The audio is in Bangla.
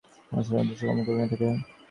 মানুষ নানা উদ্দেশ্যে কর্ম করিয়া থাকে।